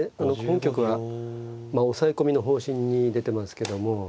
本局は押さえ込みの方針に出てますけども。